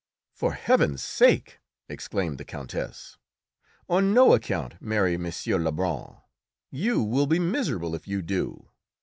"For heaven's sake," exclaimed the Countess, "on no account marry M. Lebrun! You will be miserable if you do!"